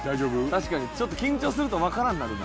確かにちょっと緊張するとわからんなるな。